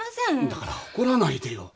だから怒らないでよ。